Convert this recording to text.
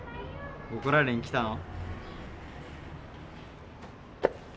怒られに来たの？